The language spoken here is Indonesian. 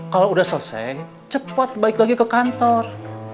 kalau udah selesai cepat balik lagi ke kantor